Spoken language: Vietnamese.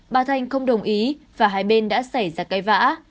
bà thành không đồng ý và hai bên đã xảy ra cây vã